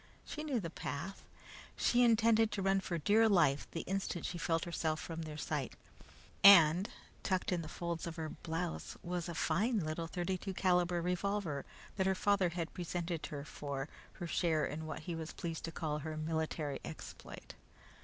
She knew the path. She intended to run for dear life the instant she felt herself from their sight, and tucked in the folds of her blouse was a fine little 32 caliber revolver that her father had presented her for her share in what he was pleased to call her military exploit.